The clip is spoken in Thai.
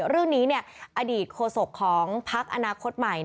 เรื่องนี้อดีตโฆษกของภักดิ์อนาคตใหม่